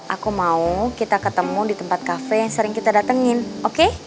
aku mau kita ketemu di tempat kafe yang sering kita datengin oke